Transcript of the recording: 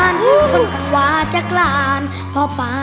รองรัก